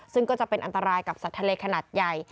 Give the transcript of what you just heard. ซึ่งก็จะเป็นอันตรายกับสัตว์ทะเลขนาดใหญ่